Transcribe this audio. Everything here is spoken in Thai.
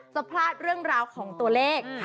จะพลาดเรื่องราวของตัวเลข